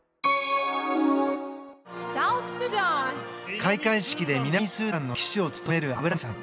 開会式で南スーダンの旗手を務めるアブラハムさん。